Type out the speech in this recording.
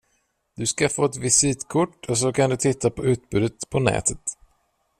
Du ska få ett visitkort och så kan du titta på utbudet på nätet.